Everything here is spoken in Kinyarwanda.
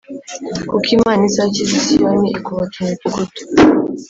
Kuko Imana izakiza i Siyoni Ikubaka imidugudu